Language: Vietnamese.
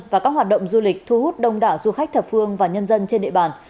và các hoạt động du lịch thu hút đông đảo du khách thập phương và nhân dân trên địa bàn